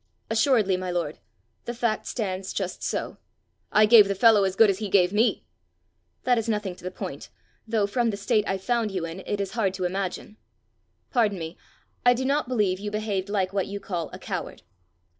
"Assuredly, my lord. The fact stands just so." "I gave the fellow as good as he gave me!" "That is nothing to the point though from the state I found you in, it is hard to imagine. Pardon me, I do not believe you behaved like what you call a coward."